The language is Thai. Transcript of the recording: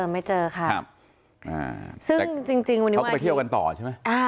ไม่เจอค่ะซึ่งจริงวันนี้เขาก็ไปเที่ยวกันต่อใช่ไหม